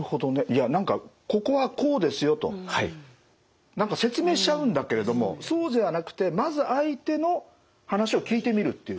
いや何かここはこうですよと。何か説明しちゃうんだけれどもそうじゃなくてまず相手の話を聞いてみるという。